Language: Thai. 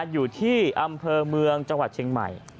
อยู่ที่อำเภอเมืองจังหวัดเชียงใหม่